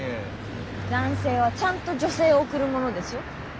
男性はちゃんと女性を送るものですよ。